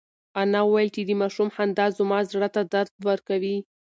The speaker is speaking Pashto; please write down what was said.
انا وویل چې د ماشوم خندا زما زړه ته درد ورکوي.